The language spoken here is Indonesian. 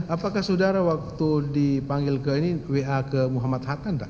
apakah sudara waktu dipanggil ke ini wa ke muhammad hatta enggak